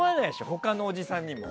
他のおじさんにも。